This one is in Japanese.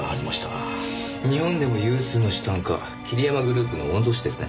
日本でも有数の資産家桐山グループの御曹司ですね。